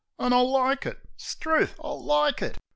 An' I like it. 'Struth I like it!